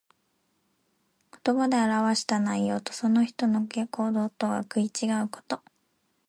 言葉で表した内容と、その人の行動とが食い違うこと。